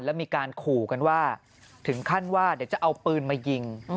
แล้วมีการขู่กันว่าถึงขั้นว่าเดี๋ยวจะเอาปืนมายิง